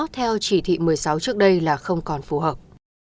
theo chỉ thị một mươi sáu trước đây là không còn phù hợp